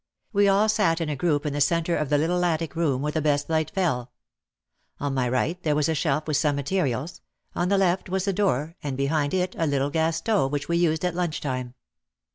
We all sat in a group in the centre of the little attic room where the best light fell. On my right there was a shelf with some materials, on the left was the door and behind it a little gas stove which we used at lunch time.